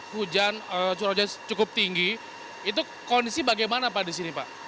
hujan curah hujan cukup tinggi itu kondisi bagaimana pak di sini pak